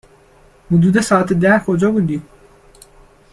حدود ساعت ده کجا بودی؟